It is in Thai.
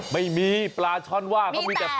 ไม่มีปลาช่อนว่าเขามีแต่